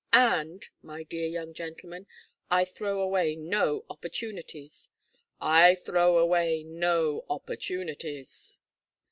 And my dear young gentleman I throw away no opportunities; I throw away no opportunities."